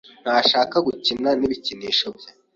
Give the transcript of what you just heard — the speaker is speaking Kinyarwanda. Ntashaka gukina n ibikinisho bye.